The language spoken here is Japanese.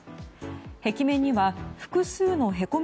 壁面には複数のへこみ